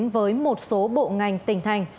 với một số bộ ngành tỉnh thành